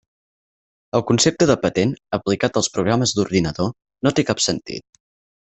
El concepte de patent, aplicat als programes d'ordinador, no té cap sentit.